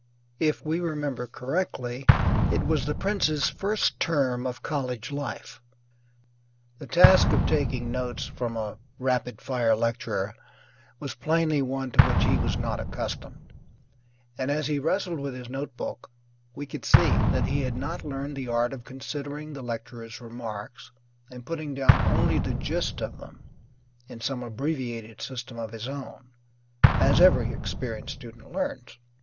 If we remember correctly, it was the prince's first term of college life. The task of taking notes from a rapid fire lecturer was plainly one to which he was not accustomed, and as he wrestled with his notebook we could see that he had not learned the art of considering the lecturer's remarks and putting down only the gist of them, in some abbreviated system of his own, as every experienced student learns.